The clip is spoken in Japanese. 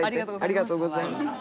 ありがとうございます。